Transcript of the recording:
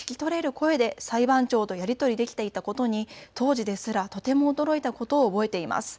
声で裁判長とやり取りできていたことに当時ですらとても驚いたことを覚えています。